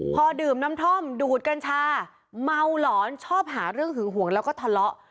พอดื่มน้ำท่อมดูดกัญชาเมาหลอนชอบหาเรื่องหึงห่วงแล้วก็ทะเลาะ